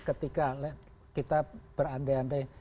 ketika kita berantai antai